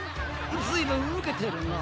ずいぶんウケてるな。